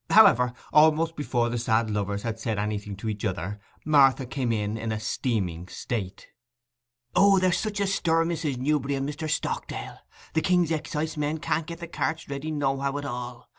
However, almost before the sad lovers had said anything to each other, Martha came in in a steaming state. 'O, there's such a stoor, Mrs. Newberry and Mr. Stockdale! The king's excisemen can't get the carts ready nohow at all!